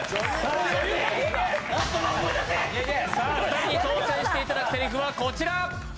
２人に挑戦していただくせりふはこちら。